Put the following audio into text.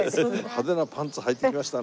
派手なパンツはいてきましたね。